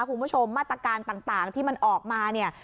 คุณผู้ชมมาตรการต่างที่มันออกมาเนี่ย